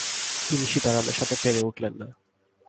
তিনি সীতারামের সাথে পেরে উঠলেন না।